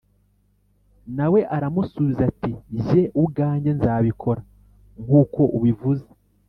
h Na we aramusubiza ati jye ubwanjye nzabikora nk uko ubivuze